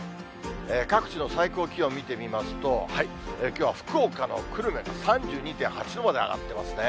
各地の最高気温見てみますと、きょうは福岡の久留米、３２．８度まで上がってますね。